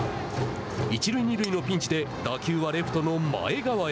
一塁二塁のピンチで打球はレフトの前川へ。